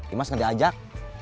imas gak diajak